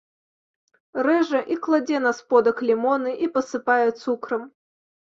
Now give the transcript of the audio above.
Рэжа і кладзе на сподак лімоны і пасыпае цукрам.